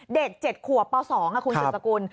เด็ก๗ขัวป๒คุณสุดกระกุล